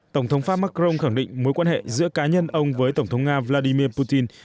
tổng thống pháp macron khẳng định mối quan hệ giữa cá nhân ông với tổng thống nga vladimir putin